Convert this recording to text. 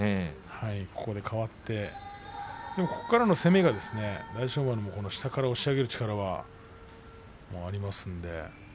ここで変わってでもここからの攻めが、大翔丸は下から押し上げる力はありますので。